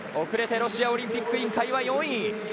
遅れてロシアオリンピック委員会は４位。